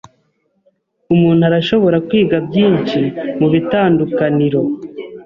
Umuntu arashobora kwiga byinshi mubitandukaniro